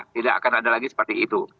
tidak akan ada lagi seperti itu